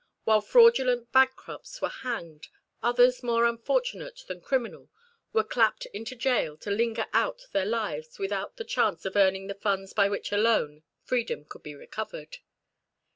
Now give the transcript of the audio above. While fraudulent bankrupts were hanged, others more unfortunate than criminal were clapped into gaol to linger out their lives without the chance of earning the funds by which alone freedom could be recovered.